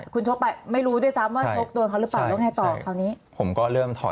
คุณชกไปไม่รู้ด้วยซ้ำว่าชกโดนเขาหรือเปล่า